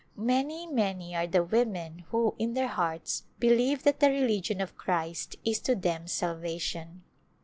Many, many are the women who, in their hearts, believe that the religion of Christ is to them salvation.